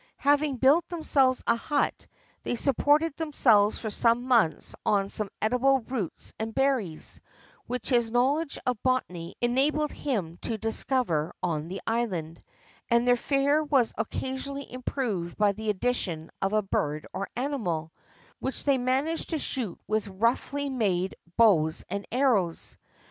Having built themselves a hut, they supported themselves for some months on some edible roots and berries, which his knowledge of botany enabled him to discover on the island, and their fare was occasionally improved by the addition of a bird or animal, which they managed to shoot with roughly made bows and arrows.